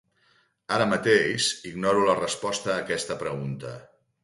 Ara mateix ignoro la resposta a aquesta pregunta.